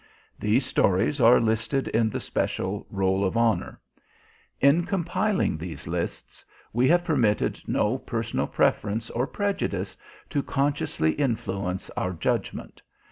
These stories are listed in the special "Roll of Honour." In compiling these lists we have permitted no personal preference or prejudice to consciously influence our judgement.